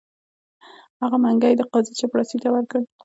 هغه منګی یې د قاضي چپړاسي ته ورکړ.